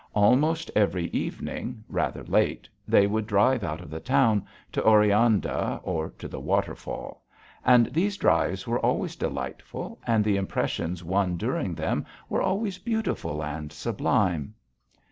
Almost every evening, rather late, they would drive out of the town, to Oreanda, or to the waterfall; and these drives were always delightful, and the impressions won during them were always beautiful and sublime.